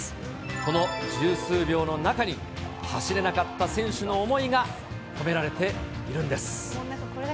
この十数秒の中に、走れなかった選手の思いが込められているんです。